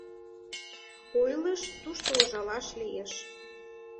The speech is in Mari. Ойлышт, тушто ужалаш лиеш.